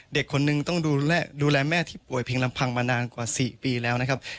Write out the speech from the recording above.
เด็กคนนึงต้องดูแลแม่ที่ป่วยเพียงลำพังมานานกว่า๔ปีแล้วนะครับ